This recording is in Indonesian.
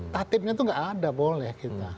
tatipnya itu nggak ada boleh kita